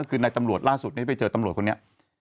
คือในตำรวจล่าสุดไปเจอตำรวจคนนี้